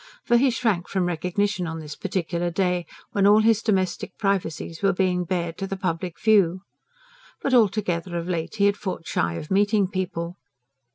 For he shrank from recognition on this particular day, when all his domestic privacies were being bared to the public view. But altogether of late he had fought shy of meeting people.